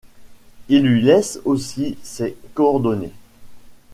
Il lui laisse aussi ses coordonnées.